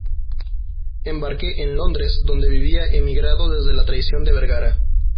embarqué en Londres, donde vivía emigrado desde la traición de Vergara